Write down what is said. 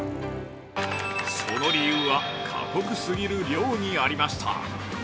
その理由は過酷すぎる漁にありました。